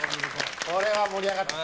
これは盛り上がった。